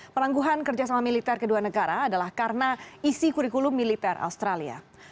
pelangguhan kerjasama militer kedua negara adalah karena isi kurikulum militer australia